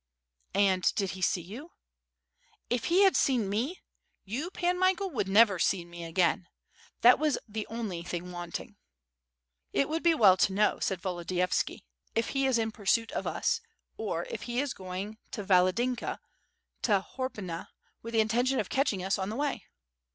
"And did he see you?" "If he had seen me, you Pan Michael would have never seen me again. That was the only thing wanting." "It would be well to know," said Volodiyovski, "if he is in pursuit of us, or if he is going to Valadynka, to Horpyna with the intention of catching us on the way."